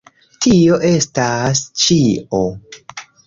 Tio estas ĉio!